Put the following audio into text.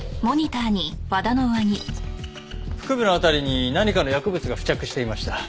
腹部の辺りに何かの薬物が付着していました。